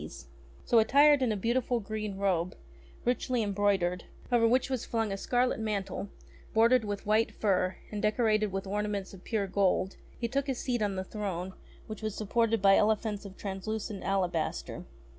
i8 ENGLISH FAIRY TALES So, attired in a beautiful green robe, richly embroidered, over which was flung a scarlet mantle bordered with white fur and decorated with ornaments of pure gold, he took his seat on the throne which was supported by elephants of translucent alabaster.